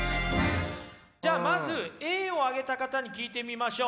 じゃあまずＡをあげた方に聞いてみましょう。